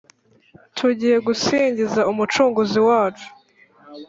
Tugiye gusingiza umucunguzi wacu